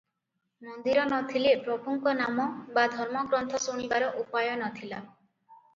ମନ୍ଦିର ନ ଥିଲେ ପ୍ରଭୁଙ୍କ ନାମ ବା ଧର୍ମଗ୍ରନ୍ଥ ଶୁଣିବାର ଉପାୟ ନ ଥିଲା ।